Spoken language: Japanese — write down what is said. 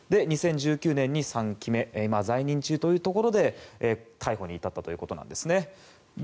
２０１９年に３期目在任中というところで逮捕に至ったということです。